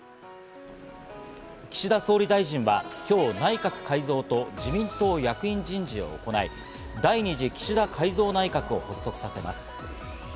岸田総理大臣は今日、内閣改造と自民党役員人事を行い、第２次岸田改造内閣を発足させます。